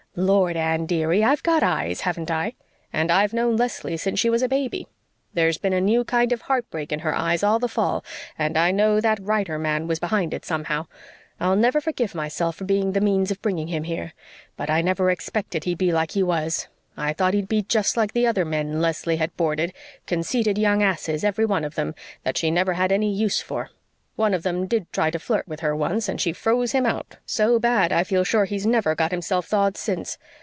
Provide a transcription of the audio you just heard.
"Lord, Anne, dearie, I've got eyes, haven't I? And I've known Leslie since she was a baby. There's been a new kind of heartbreak in her eyes all the fall, and I know that writer man was behind it somehow. I'll never forgive myself for being the means of bringing him here. But I never expected he'd be like he was. I thought he'd just be like the other men Leslie had boarded conceited young asses, every one of them, that she never had any use for. One of them did try to flirt with her once and she froze him out so bad, I feel sure he's never got himself thawed since.